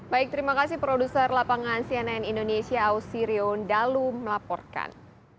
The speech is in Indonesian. baik terima kasih produser lapangan cnn indonesia ausirion dalu melaporkan